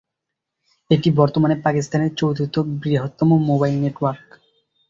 এটি বর্তমানে পাকিস্তানের চতুর্থ বৃহত্তম মোবাইল নেটওয়ার্ক।